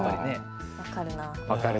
分かるな。